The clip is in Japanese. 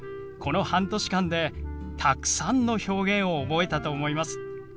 この半年間でたくさんの表現を覚えたと思います。